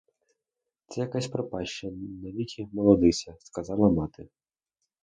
Це якась пропаща навіки молодиця, — сказала мати.